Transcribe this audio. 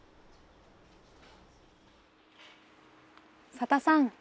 曽田さん